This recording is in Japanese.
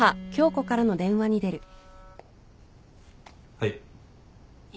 はい。